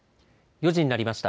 ４時になりました。